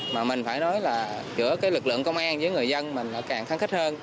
mà mình phải nói là giữa cái lực lượng công an với người dân mình càng kháng khích hơn